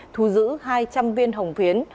thu giữ hai trăm linh viên hồng phiến